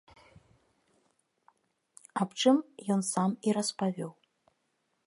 Аб чым ён сам і распавёў.